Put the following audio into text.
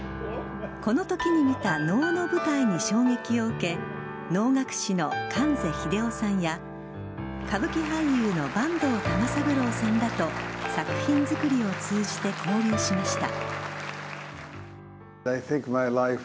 このときに見た能の舞台に衝撃を受け能楽師の観世栄夫さんや歌舞伎俳優の坂東玉三郎さんらと作品作りを通じて交流しました。